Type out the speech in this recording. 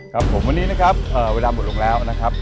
ครับผมวันนี้นะครับเวลาหมดลงแล้วนะครับ